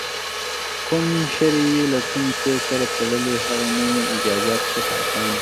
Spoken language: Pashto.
کوم شر وي له کوم څیز سره تړلی، هغه مومي اجازت ښه په اسانه